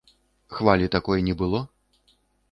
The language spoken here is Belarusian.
Хвалі такой не было?